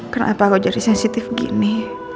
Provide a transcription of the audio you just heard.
kenapa kok jadi sensitif gini